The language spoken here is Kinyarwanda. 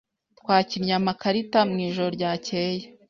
Twakinnye amakarita mwijoro ryakeye.